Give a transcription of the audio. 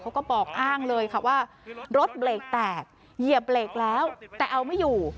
เขาก็บอกอ้างเลยค่ะว่ารถเบรกแตกเหยียบเบรกแล้วแต่เอาไม่อยู่